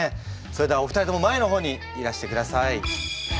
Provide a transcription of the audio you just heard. それではお二人とも前のほうにいらしてください。